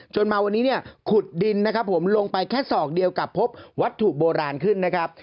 จนมาวันนี้ขุดดินลงไปแค่ศอกเดียวกับพบวัตถุโบราณขึ้นนะครับ